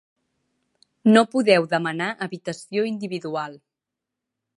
No podeu demanar habitació individual.